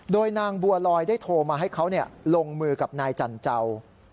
โดยนางบัวลอยได้โทรมาให้เขาลงมือกับนายจันเจ้า